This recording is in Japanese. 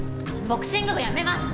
ボクシング部やめます！